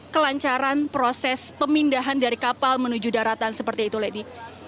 kelancaran proses pemindahan dari kapal menuju daratan seperti itu lady